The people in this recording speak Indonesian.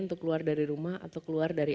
untuk keluar dari rumah atau keluar dari